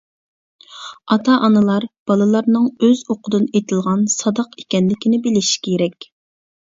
ئاتا-ئانىلار، بالىلارنىڭ ئۆز ئوقىدىن ئېتىلغان ساداق ئىكەنلىكىنى بىلىشى كېرەك.